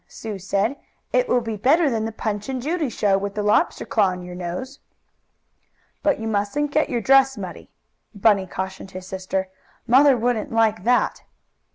Sue said. "It will be better than the Punch and Judy show with the lobster claw on your nose." "But you mustn't get your dress muddy," Bunny cautioned his sister. "Mother wouldn't like that."